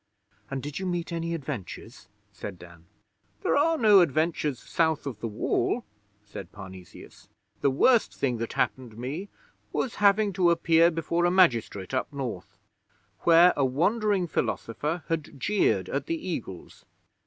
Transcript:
'And did you meet any adventures?' said Dan. 'There are no adventures South the Wall,' said Parnesius. 'The worst thing that happened me was having to appear before a magistrate up North, where a wandering philosopher had jeered at the Eagles.